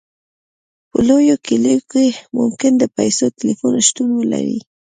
په لویو کلیو کې ممکن د پیسو ټیلیفون شتون ولري